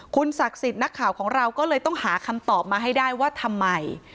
คุณศักดิ์สิทธิ์นักข่าวของเราก็เลยต้องหาคำตอบมาให้ได้ว่าทำไม